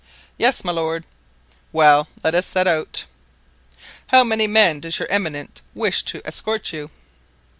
"Yes, my lord." "Well, let us set out." "How many men does your eminence wish to escort you?"